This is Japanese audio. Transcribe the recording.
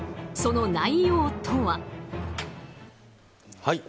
その内容とは。